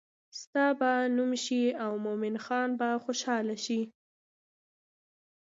ستا به نوم شي او مومن خان به خوشحاله شي.